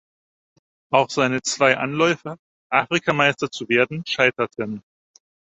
Auch seine zwei Anläufe, Afrikameister zu werden, scheiterten.